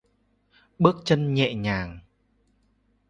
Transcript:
Bước chân nhẹ nhàng